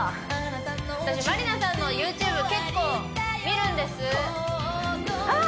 これね私まりなさんのＹｏｕＴｕｂｅ結構見るんですはい！